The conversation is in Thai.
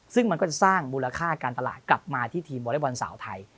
ซึ่งมันก็จะสร้างมูลค่าการตลาดกลับมาที่ทีมวอเล็กบอลสาวไทย